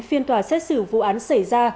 phiên tòa xét xử vụ án xảy ra